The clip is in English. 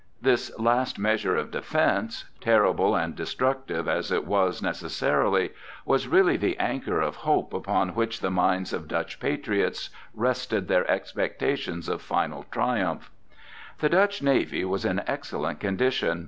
This last measure of defence, terrible and destructive as it was necessarily, was really the anchor of hope upon which the minds of Dutch patriots rested their expectations of final triumph. The Dutch navy was in excellent condition.